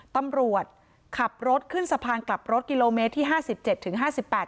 ตำรวจขับรถขึ้นสะพานกลับรถกิโลเมตรที่ห้าสิบเจ็ดถึงห้าสิบแปด